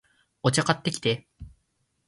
お茶、買ってきて